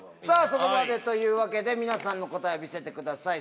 そこまで！というわけで皆さんの答え見せてください。